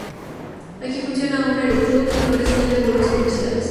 Aquí funciona un aeroclub y no recibe vuelos comerciales.